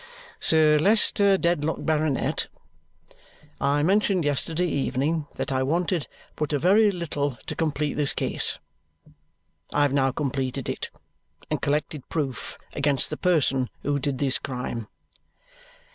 "Sir Leicester Dedlock, Baronet, I mentioned yesterday evening that I wanted but a very little to complete this case. I have now completed it and collected proof against the person who did this crime."